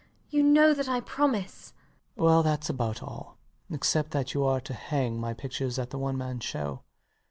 You know that I promise. LOUIS. Well, thats about all; except that you are to hang my pictures at the one man show.